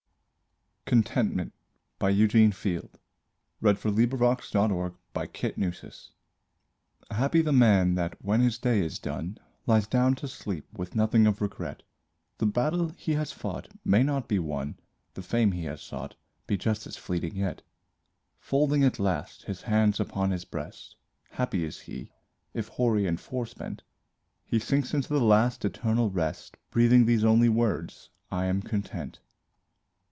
other belle, I I pronounce for Jennie, For Jennie doesn't tell! CONTENTMENT Happy the man that, when his day is done, Lies down to sleep with nothing of regret The battle he has fought may not be won The fame he sought be just as fleeting yet; Folding at last his hands upon his breast, Happy is he, if hoary and forespent, He sinks into the last, eternal rest, Breathing these only works: "I am content."